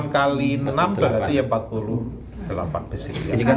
enam kali enam berarti ya empat puluh delapan besi